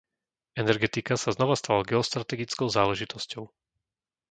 Energetika sa znovu stala geostrategickou záležitosťou.